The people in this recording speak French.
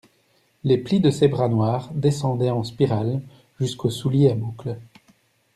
Les plis de ses bas noirs descendaient en spirale jusqu'aux souliers à boucles.